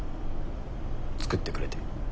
作ってくれて。